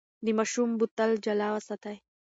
د ماشوم بوتل جلا وساتئ.